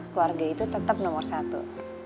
keluarga itu tetap nomor satu